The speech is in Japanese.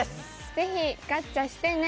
ぜひガッチャしてね。